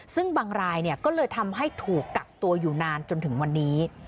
ซึ่งบางรายก็เลยทำให้ถูกกักตัวอยู่นานจนถึงวันนี้